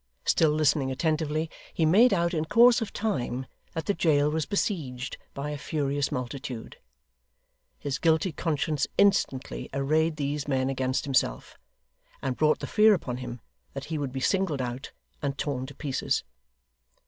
Still listening attentively, he made out, in course of time, that the jail was besieged by a furious multitude. His guilty conscience instantly arrayed these men against himself, and brought the fear upon him that he would be singled out, and torn to pieces.